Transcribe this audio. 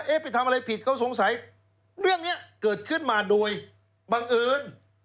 ไปทำอะไรผิดเขาสงสัยเรื่องนี้เกิดขึ้นมาโดยบังเอิญ